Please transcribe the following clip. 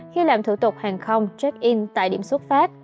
khi làm thủ tục hàng không check in tại điểm xuất phát